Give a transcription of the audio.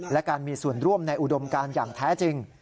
และการมีส่วนร่วมในอุดมการอย่างแท้จริง